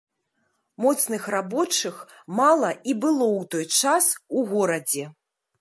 Моцных рабочых мала і было ў той час у горадзе.